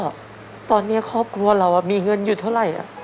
ว่าตอนนี้ครอบครัวเรามีเงินอยู่เท่าไหร่